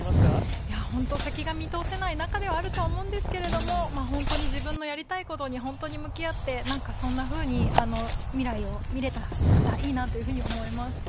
本当、先が見通せない中ではあると思うんですけれども、本当に自分のやりたいことに本当に向き合って、なんかそんなふうに未来を見れたらいいなというふうに思います。